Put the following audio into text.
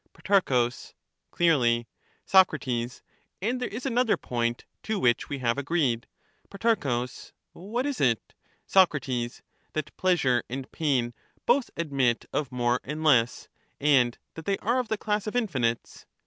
Pro. Clearly. Soc. And there is another point to which we have agreed. Pro. What is it? Soc. That pleasure and pain both admit of more and less, and that they are of the class of infinites.